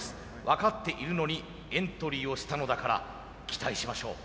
分かっているのにエントリーをしたのだから期待しましょう。